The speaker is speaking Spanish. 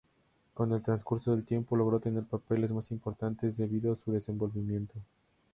Con el transcurso del tiempo logró tener papeles más importantes debido a su desenvolvimiento.